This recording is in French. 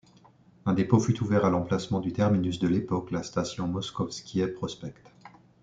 Un dépôt fut ouvert à l'emplacement du terminus de l'époque, la station Moskovskyï Prospekt.